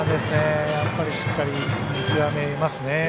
やっぱりしっかり見極めますね。